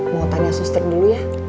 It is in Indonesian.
mau tanya suster dulu ya